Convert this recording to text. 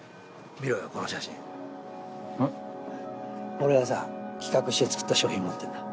俺がさ企画して作った商品持ってるんだ。